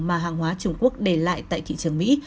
mà hàng hóa trung quốc để lại tại thị trường mỹ